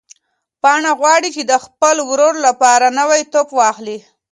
پاڼه غواړي چې د خپل ورور لپاره نوی توپ واخلي.